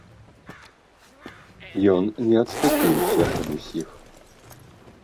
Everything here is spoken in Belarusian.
Ён не адступіўся ад усіх.